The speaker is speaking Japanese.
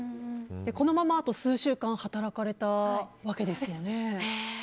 このままあと数週間働かれたわけですよね。